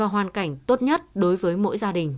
hoàn cảnh tốt nhất đối với mỗi gia đình